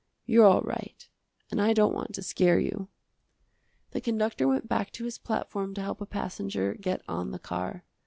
You're all right and I don't want to scare you." The conductor went back to his platform to help a passenger get on the car.